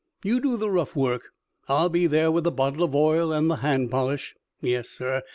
You do the rough work; I'll be there with the bottle of oil and the hand polish. Yes, sir!